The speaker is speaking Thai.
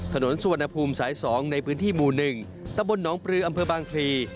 ถนนสุวรรณภูมิสาย๒ในพื้นที่หมู่๑ตะบลหนองปลืออำเภอบางพลี